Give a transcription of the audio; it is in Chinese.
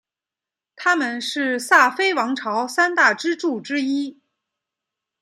他们是萨非王朝三大支柱之一。